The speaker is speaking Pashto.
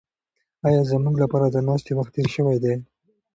ایا زموږ لپاره د ناستې وخت تېر شوی دی؟